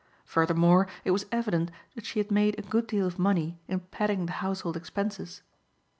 Furthermore it was evident that she had made a good deal of money in padding the household expenses.